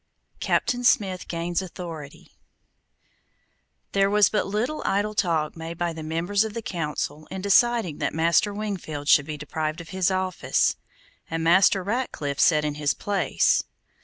CAPTAIN SMITH GAINS AUTHORITY There was but little idle talk made by the members of the Council in deciding that Master Wingfield should be deprived of his office, and Master Ratcliffe set in his place.